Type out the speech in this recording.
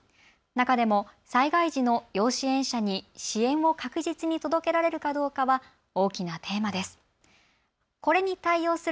中でも災害時の要支援者に支援を確実に届けられるかどうかは大きなテーマです。